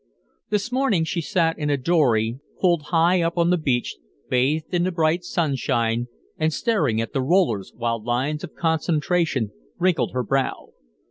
This morning she sat in a dory pulled high up on the beach, bathed in the bright sunshine, and staring at the rollers, while lines of concentration wrinkled her brow.